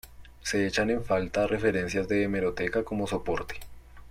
Se echan en falta referencias de hemeroteca como soporte.